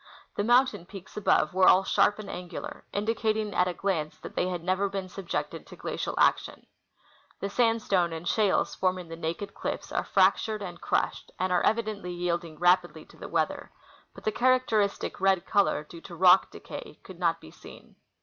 The mountain peaks above were all sharp and angular, indicating at a glance that the}" had never been subjected to glacial action. The sandstone and shales forming the naked cliff's are fractured and crushed, and are evidently yielding rapidly to the weather ; but the char acteristic red color due to rock decay could not be seen.